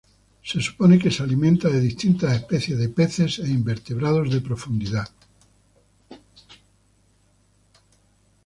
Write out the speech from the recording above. Se supone que se alimenta de distintas especies de peces e invertebrados de profundidad.